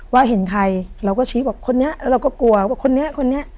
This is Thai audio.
ว่าเห็นใครเราก็ชี้บอกคนนี้แล้วเราก็กลัวว่าคนนี้คนนี้